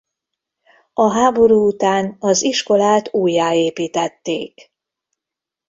A háború után az iskolát újjáépítették.